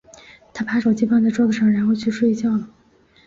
她把手机放在桌子上，然后睡觉去了。